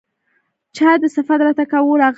چا دې صفت راته کاوه راغلی يمه